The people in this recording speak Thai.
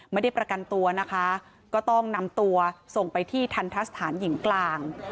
ไม่ได้ประกันตัวนะคะก็ต้องนำตัวส่งไปที่ทันทะสถานหญิงกลาง